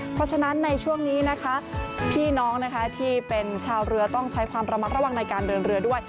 เพราะฉะนั้นในช่วงนี้นะคะพี่น้องนะคะที่เป็นชาวเรือต้องใช้ความระมัดระวังในการเดินเรือด้วย